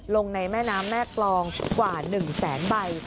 ลงในแม่น้ำแม่กรองกว่า๑แสนใบ